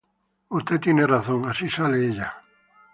Usted tiene razón: así sale ella